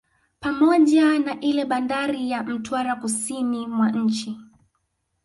Pamoja na ile bandari ya Mtwara kusini mwa nchi